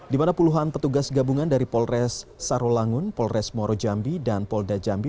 di mana puluhan petugas gabungan dari polres saro langun polres muarujambi dan poldajambi